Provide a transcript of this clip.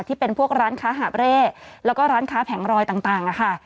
ที่เป็นพวกร้านค้าหาบเร่แล้วก็ร้านค้าแผงรอยต่างค่ะ